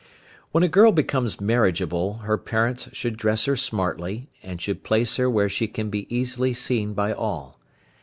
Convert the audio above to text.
When a girl becomes marriageable her parents should dress her smartly, and should place her where she can be easily seen by all.